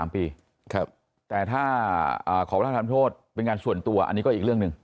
แต่ถ้าขอพระราชทานโทษเป็นงานส่วนตัวอันนี้ก็อีกเรื่องหนึ่ง